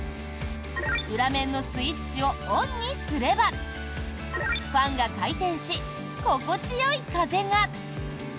裏面のスイッチをオンにすればファンが回転し、心地よい風が。